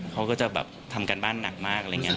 เขาก็จะแบบทำการบ้านหนักมากอะไรอย่างนี้